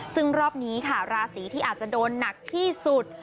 ซึ่งรอบนี้ค่ะราศีที่อาจจะโดนหนักที่สุด